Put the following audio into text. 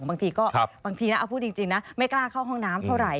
บางทีก็บางทีนะเอาพูดจริงนะไม่กล้าเข้าห้องน้ำเท่าไหร่